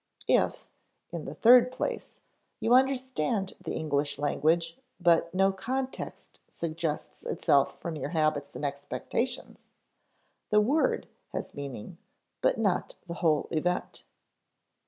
If (in the third place) you understand the English language, but no context suggests itself from your habits and expectations, the word has meaning, but not the whole event.